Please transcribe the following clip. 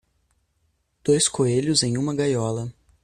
Dois coelhos em uma gaiola.